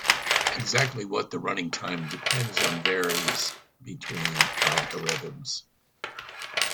Exactly what the running time depends on varies between algorithms.